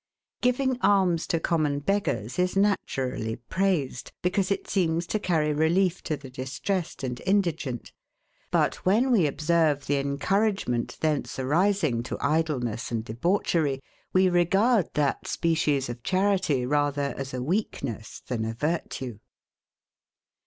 Giving alms to common beggars is naturally praised; because it seems to carry relief to the distressed and indigent: but when we observe the encouragement thence arising to idleness and debauchery, we regard that species of charity rather as a weakness than a virtue.